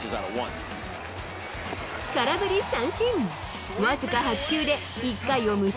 空振り三振。